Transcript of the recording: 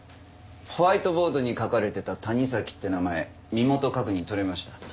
ホワイトボードに書かれてた「タニザキ」って名前身元確認取れました。